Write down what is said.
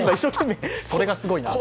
それがすごいな。